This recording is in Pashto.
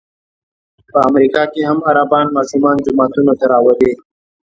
په امریکا کې هم عربان ماشومان جوماتونو ته راولي.